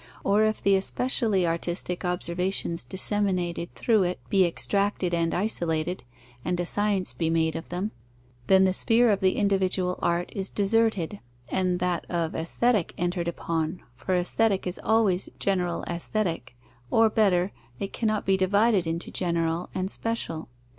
Or if the especially artistic observations disseminated through it be extracted and isolated, and a science be made of them, then the sphere of the individual art is deserted and that of Aesthetic entered upon, for Aesthetic is always general Aesthetic, or better, it cannot be divided into general and special.